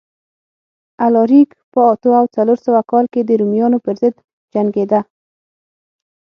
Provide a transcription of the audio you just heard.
الاریک په اتو او څلور سوه کال کې د رومیانو پرضد جنګېده